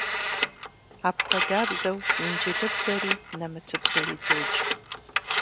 Апхуэдабзэу инджылызыбзэри нэмыцэбзэри додж.